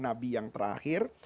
nabi yang terakhir